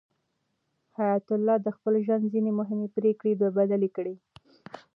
حیات الله د خپل ژوند ځینې مهمې پرېکړې بدلې کړې.